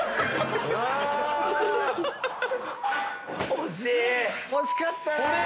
惜しかったなぁ。